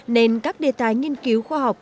nên các đề tài nghiên cứu khoa học